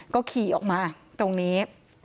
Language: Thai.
ก็ขี่ออกมาตรงนี้